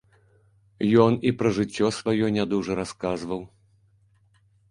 Ён і пра жыццё сваё не дужа расказваў.